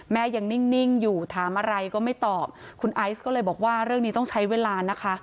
ยังนิ่งอยู่ถามอะไรก็ไม่ตอบคุณไอซ์ก็เลยบอกว่าเรื่องนี้ต้องใช้เวลานะคะ